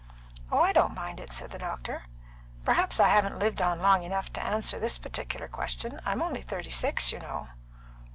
"Oh, I don't mind it," said the doctor. "Perhaps I haven't lived on long enough to answer this particular question; I'm only thirty six, you know."